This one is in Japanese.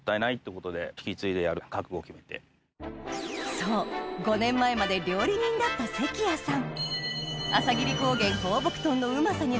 そう５年前まで料理人だった関谷さん